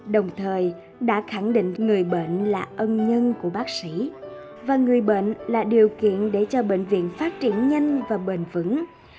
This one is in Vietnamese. đồng thời đã khẳng định người bệnh là ân nhân của bác sĩ và người bệnh là điều kiện để cho bệnh viện phát triển nhanh và bền vững